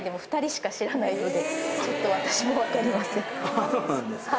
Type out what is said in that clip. あっそうなんですか？